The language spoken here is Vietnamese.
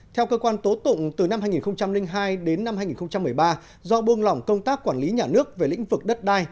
theo cơ quan tố tụng từ năm hai nghìn hai đến năm hai nghìn một mươi ba do buông lỏng công tác quản lý nhà nước về lĩnh vực đất đai